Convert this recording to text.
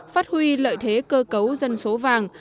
phát huy lợi thế cơ cấu dân số vàng